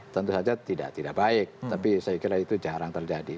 tentu saja tidak baik tapi saya kira itu jarang terjadi